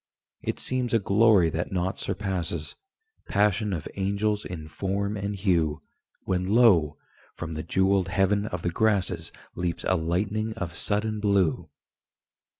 It seems a glory that nought surpasses Passion of angels in form and hue When, lo! from the jewelled heaven of the grasses Leaps a lightning of sudden blue.